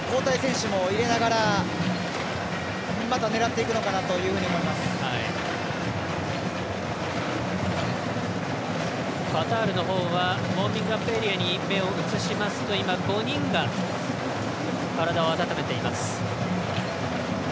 その辺りをセネガルは交代選手も入れながらまた狙っていくのかなというふうにカタールのほうはウォーミングアップエリアに目を移しますと、５人が体を温めています。